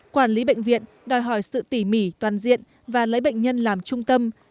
quản lý bệnh viện đòi hỏi sự tỉ mỉ toàn diện và lấy bệnh nhân làm trung tâm